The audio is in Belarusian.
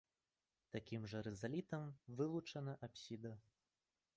Такім жа рызалітам вылучана апсіда.